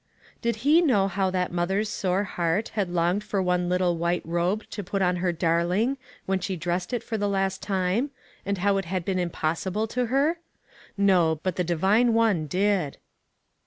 Did he know how that mother's sore heart had longed for one little white robe to put on her darling, when she dressed it for the last time, and how it had been impossible to her? No, but the Divine One did.